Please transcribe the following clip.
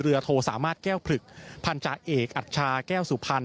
โทสามารถแก้วผลึกพันธาเอกอัชชาแก้วสุพรรณ